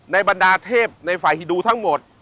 บรรดาเทพในฝ่ายฮิดูทั้งหมด